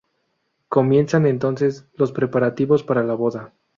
Comienzan entonces, los preparativos para la boda.